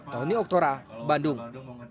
tony oktora bandung